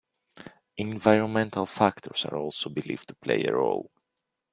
Environmental factors are also believed to play a role.